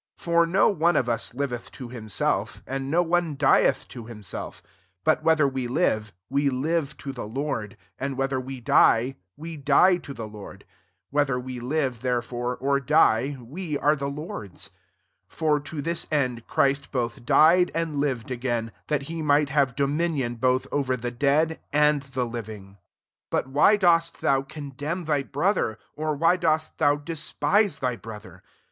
7 For no one of as liveth to himself, and no one diethto himself; 8 but whether we live, we live to the liord : and whether we die, we die to the Lord: whether we live therefore, or die, we are tke Lord's. 9 For to this cn4 Christ lbo4h'\ died, and lived agtfin, that he might have do minion both over the dead and the living, 10 But why dost thou con demn thy brother? or why dosi thou despise thy brother?